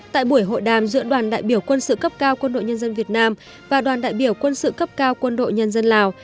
tại buổi hội đàm giữa đoàn đại biểu quân sự cấp cao quân đội nhân dân việt nam và đoàn đại biểu quân sự cấp cao quân đội nhân dân lào